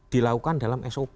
dilakukan dalam sop